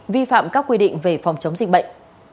vi phạm các quy định về phòng chống dịch bệnh